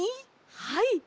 はい。